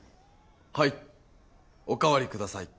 はいおかわりください。